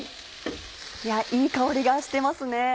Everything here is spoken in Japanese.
いい香りがしてますね。